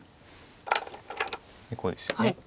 こうですよね。